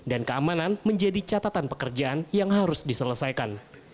keamanan menjadi catatan pekerjaan yang harus diselesaikan